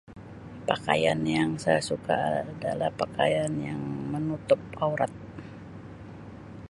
Pakaian yang saya suka adalah pakaian yang menutup aurat.